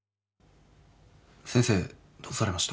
先生どうされました？